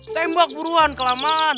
tembak buruan kelamaan